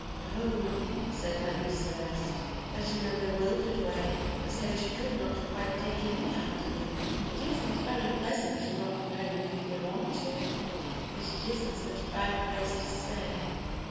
"Oh!" said Marie Celeste, but in a bewildered way, as though she could not quite take in the idea. "It isn't very pleasant not knowing who you belong to, but it isn't such a bad place to stay.